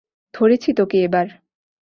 ধরেছি তোকে এবার।